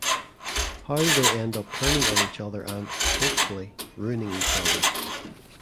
How they all end up turning on each other and (hopefully) ruining each other.